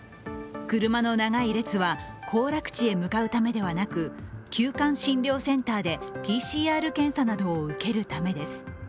車の長い列は行楽地へ向かうためではなく、急患診療センターでＰＣＲ検査を受けるためです。